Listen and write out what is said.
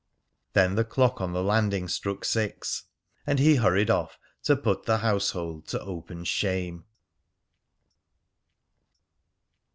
Then the clock on the landing struck six, and he hurried off to put the household to open shame.